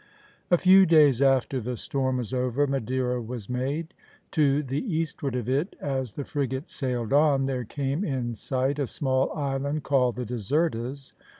A few days after the storm was over Madeira was made; to the eastward of it, as the frigate sailed on, there came in sight a small island called the Desertas.